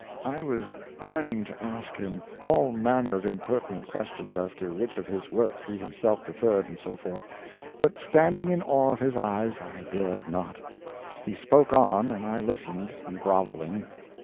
I was burning to ask him all manner of impertinent questions, as to which of his works he himself preferred, and so forth; but, standing in awe of his eyes, I dared not. He spoke on, and I listened, grovelling.